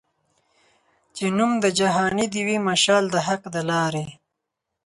چي نوم د جهاني دي وي مشال د حق د لاري